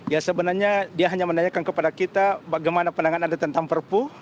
ya sebenarnya dia hanya menanyakan kepada kita bagaimana pandangan anda tentang perpu